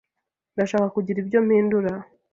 Ndashaka kugira ibyo mpindura.